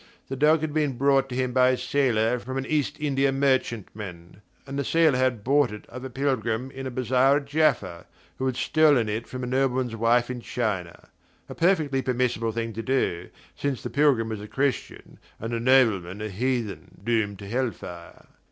The dog had been brought to him by a sailor from an East India merchantman, and the sailor had bought it of a pilgrim in a bazaar at Jaffa, who had stolen it from a nobleman's wife in China: a perfectly permissible thing to do, since the pilgrim was a Christian and the nobleman a heathen doomed to hellfire.